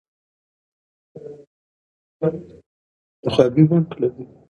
عبدالحمید نیازی د دې لیکوال دی.